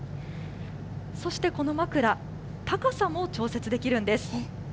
そして、この枕、高さも調節できるんです。